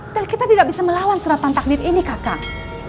dan kita tidak bisa melawan suratan takdir ini kakak